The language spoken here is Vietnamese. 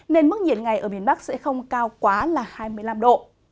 nên mức nhiệt ngày ở miền bắc sẽ không cao quá là hai mươi năm độ